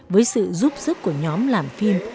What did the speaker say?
với sự giúp sức của nhóm làm phim